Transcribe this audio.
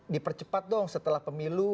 dipercepat dong setelah pemilu